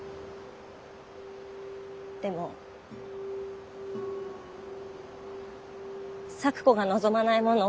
でも咲子が望まないもの